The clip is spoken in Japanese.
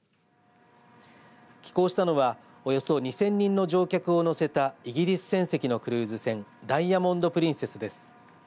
寄港したのはおよそ２０００人の乗客を乗せたイギリス船籍のクルーズ船ダイヤモンド・プリンセスです。